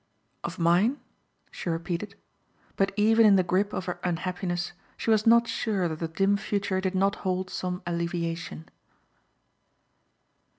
"'Of mine,'" she repeated. But even in the grip of her unhappiness she was not sure that the dim future did not hold some alleviation.